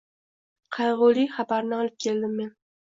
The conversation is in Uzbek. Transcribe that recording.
Qayg’uli habarni olib keldim men